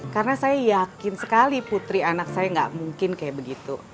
karena saya yakin sekali putri anak saya gak mungkin kayak begitu